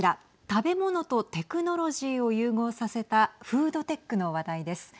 食べ物とテクノロジーを融合させたフードテックの話題です。